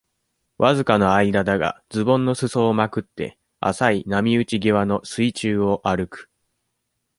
わずかの間だが、ズボンの裾をまくって、浅い波打ち際の水中を歩く。